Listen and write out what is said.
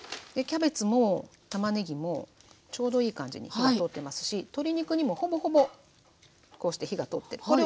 キャベツもたまねぎもちょうどいい感じに火が通ってますし鶏肉にもほぼほぼこうして火が通ってる。